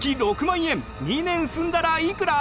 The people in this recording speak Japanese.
６万円２年住んだらいくら？